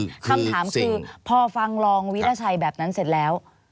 คำถามคือพอฟังรองวิราชัยแบบนั้นเสร็จแล้ว